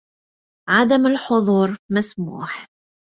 عدم الحضور مسموح.